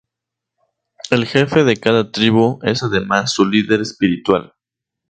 El jefe de cada tribu es además su líder espiritual.